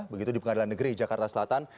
begitu di pengadilan negeri jakarta selatan